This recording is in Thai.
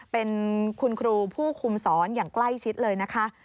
เป็นคุณครูผู้คุมสอนอย่างใกล้ชิดเลยนะคะ